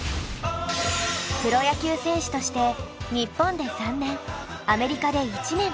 プロ野球選手として日本で３年アメリカで１年プレーしていました。